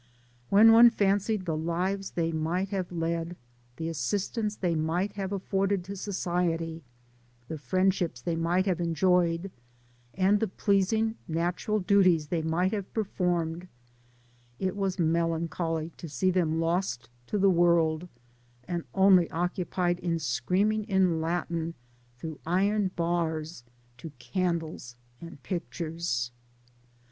When one fancied the lives they might have led— the assistance they might have afforded to society— the friendships they might have enjoyed,^ and the pleasing natural duties they might have performed, it was melancholy to see them lost to the world, and only occupied in scream Digitized byGoogk CONVENT AT SANTIAGO. 197 ing in Latin through iron bars to candles and pictures.